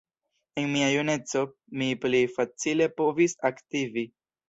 En mia juneco mi pli facile povis aktivi.